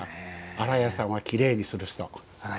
洗い屋さんはきれいにする。